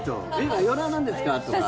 マヨラーなんですか？とか。